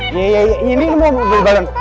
iya iya ini mau beli balen